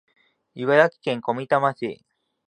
茨城県小美玉市